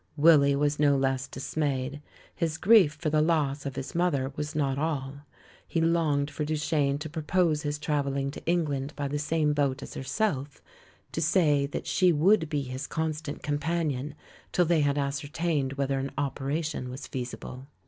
Willy was no less dismayed; his grief for the loss of his mother was not all. He longed for Duchene to propose his travelling to England by the same boat as herself, to say that she would be 130 THE MAN WHO UNDERSTOOD WOMEN his constant companion till they had ascertained whether an operation was feasible.